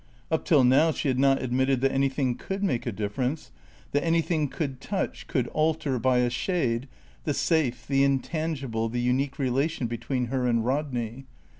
Up till now she had not admitted that anything could make a difference, that anything could touch, could alter by a shade the safe, the intangible, the unique relation between her and Rodney.